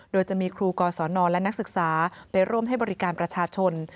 โดยจะมีครูกศนและนักศึกษาไปร่วมให้บริการประชาชน